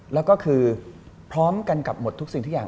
แล้วก็คือพร้อมกันกับหมดทุกสิ่งทุกอย่าง